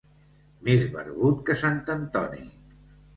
Més barbut que sant Antoni.